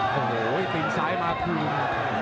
โหติงซ้ายมาพรุ่ง